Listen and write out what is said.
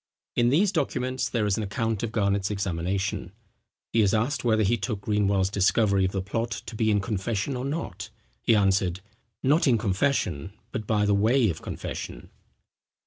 In these documents there is an account of Garnet's examination. He is asked whether he took Greenwell's discovery of the plot to be in confession or not? he answered, "Not in confession, but by way of confession."